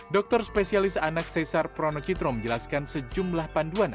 dokter spesialis anak cesar pronocitro menjelaskan sejumlah panduan